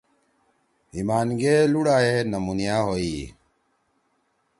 ہیِمان گے لُوڑا ئے نمُونیا ہوئی۔